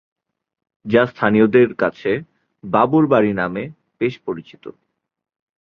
যা স্থানীয়দের কাছে "বাবুর বাড়ি" নামে বেশ পরিচিত।